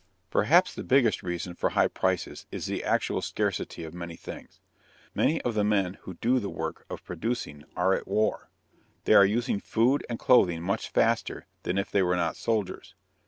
Perhaps the biggest reason for high prices is the actual scarcity of many things. Many of the men who do the work of producing are at war. They are using food and clothing much faster than if they were not soldiers.